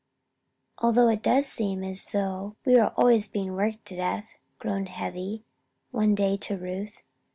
"Although it does seem as though we were always being worked to death," groaned Heavy, one day, to Ruth.